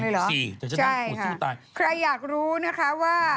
ใครอยากรู้นะคะว่า